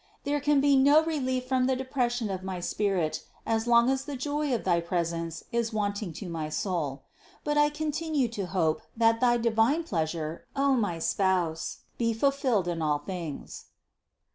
There can be no relief from the depression of my spirit as long as the joy of thy presence is wanting to my soul. But I continue to hope that thy divine pleasure, O my Spouse, be fulfilled in all things."